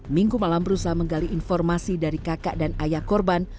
minggu malam berusaha menggali informasi dari kakak dan ayah korban